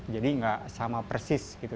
jadi gak sama persis gitu